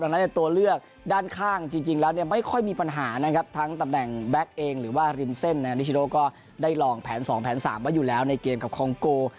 ดังนั้นในตัวเลือกด้านข้างจริงแล้วเนี่ยไม่ค่อยมีปัญหานะครับทั้งตำแหน่งแก๊กเองหรือว่าริมเส้นนิชโนก็ได้ลองแผน๒แผน๓ไว้อยู่แล้วในเกมกับคองโก